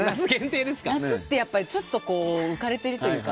夏ってちょっと浮かれてるというか。